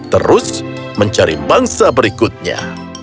terus mencari bangsa berikutnya